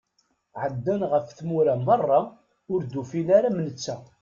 Ɛeddan ɣef tmura meṛṛa ur d-ufan ara am netta.